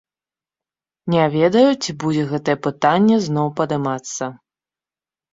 Не ведаю, ці будзе гэтае пытанне зноў падымацца.